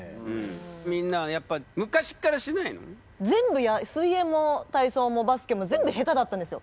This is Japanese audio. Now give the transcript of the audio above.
全部水泳も体操もバスケも全部下手だったんですよ。